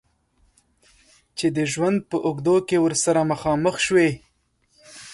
چې د ژوند په اوږدو کې ورسره مخامخ شوی.